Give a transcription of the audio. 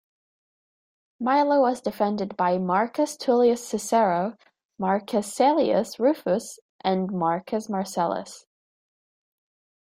Milo was defended by Marcus Tullius Cicero, Marcus Caelius Rufus and Marcus Marcellus.